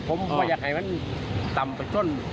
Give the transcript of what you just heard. ผมอยากให้มันต่ำกว่าจน